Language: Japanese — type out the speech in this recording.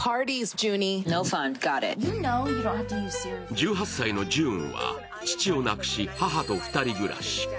１８歳のジューンは父を亡くし、母と２人暮らし。